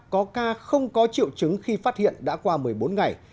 có ca không có triệu chứng khi phát hiện đã qua một mươi bốn ngày